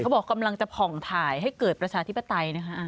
แต่เขาบอกว่ากำลังจะผ่องถ่ายให้เกิดประชาธิปไต